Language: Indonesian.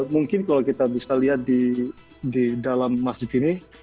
mungkin kalau kita bisa lihat di dalam masjid ini